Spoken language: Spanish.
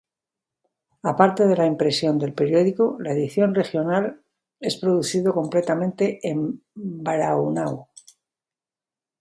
Aparte de la impresión del periódico, la edición regional es producido completamente en Braunau.